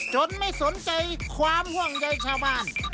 ไม่สนใจความห่วงใยชาวบ้าน